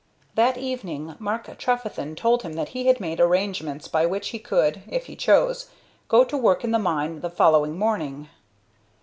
That evening Mark Trefethen told him that he had made arrangements by which he could, if he chose, go to work in the mine the following morning.